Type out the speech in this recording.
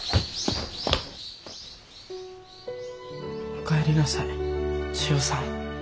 お帰りなさい千代さん。